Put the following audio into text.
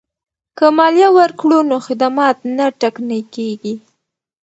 که مالیه ورکړو نو خدمات نه ټکنی کیږي.